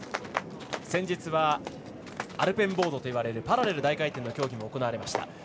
先日アルペンボードといわれるパラレル大回転の競技も行われました。